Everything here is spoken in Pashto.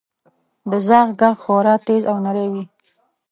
• د زاغ ږغ خورا تیز او نری وي.